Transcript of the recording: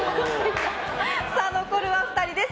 残るは２人です。